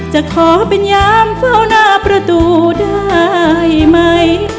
จะขอเป็นยามเฝ้าหน้าประตูได้ไหม